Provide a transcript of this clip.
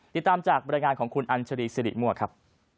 ติดตามจากบรรยายงานของคุณอัญชรีสิริมั่วครับ